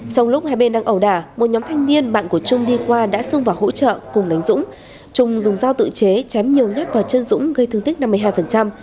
trong lúc hai bên đang ẩu đả một nhóm thanh niên bạn của trung đi qua đã xông vào hỗ trợ cùng đánh dũng trung dùng dao tự chế chém nhiều nhát vào chân dũng gây thương tích năm mươi hai